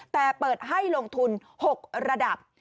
แต่เปิดให้ลงทุน๖ระดับ